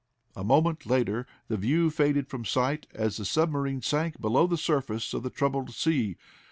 A moment later the view faded from sight as the submarine sank below the surface of the troubled sea.